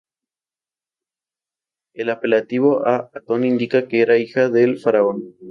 El apelativo a Atón indica que era hija del faraón.